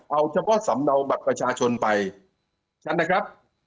เอาเฉพาะสำเนาบัตรประชาชนไปชัดนะครับ